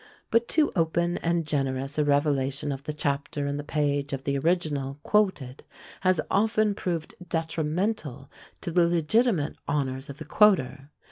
But too open and generous a revelation of the chapter and the page of the original quoted has often proved detrimental to the legitimate honours of the quoter.